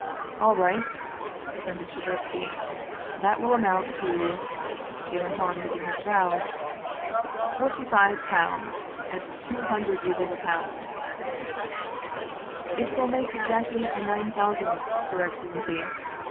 " All right!" assented Shadursky. " That will amount to " he went on, knitting his brows, " forty five pounds at two hundred rubles a pound "" It will make exactly nine thousand, your excellency.